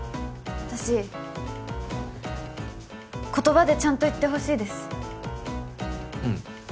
私言葉でちゃんと言ってほしいですうん